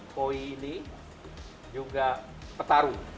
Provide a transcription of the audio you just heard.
koi ini juga petarung